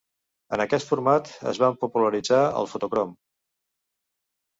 En aquest format, es van popularitzar el fotocrom.